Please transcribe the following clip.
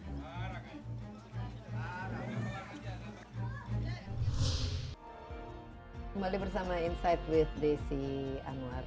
kembali bersama insight with desi anwar